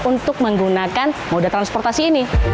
untuk menggunakan lrt jabodebek